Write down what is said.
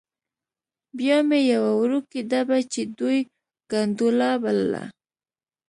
بیا مې یوه وړوکې ډبه چې دوی ګنډولا بلله.